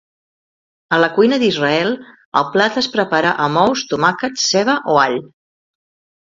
A la cuina d'Israel, el plat es prepara amb ous, tomàquets, ceba o all.